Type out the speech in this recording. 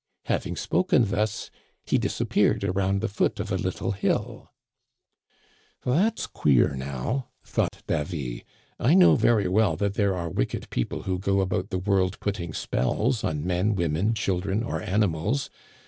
Having spoken thus, he disappeared around the foot of a little hill. That's queer now,' thought Davy. ' I know very well that there are wicked people who go about the world putting spells on men, women, children, or ani mals.